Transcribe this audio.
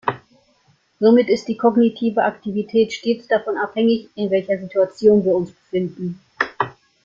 Somit ist die kognitive Aktivität stets davon abhängig, in welcher Situation wir uns befinden.